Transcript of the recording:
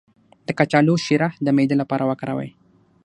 د کچالو شیره د معدې لپاره وکاروئ